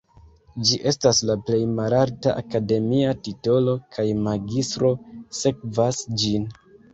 Ĝi estas la plej malalta akademia titolo kaj magistro sekvas ĝin.